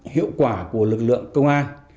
hiệu quả của lực lượng công an